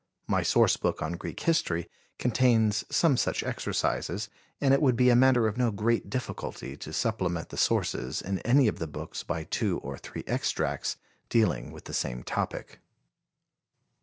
My source book on Greek history contains some such exercises, and it would be a matter of no great difficulty to supplement the sources in any of the books by two or three extracts dealing with the same topic.